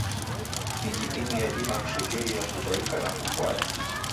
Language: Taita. Miji imu yadima kushekeria kudaika na kufwaya.